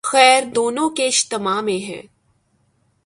خیر دونوں کے اجتماع میں ہے۔